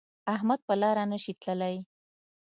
احمد په لاره نشي تللی.